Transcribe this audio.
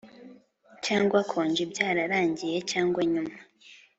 Cyangwa konji byararangiye cyangwa nyuma